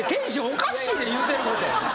おかしいで言うてること。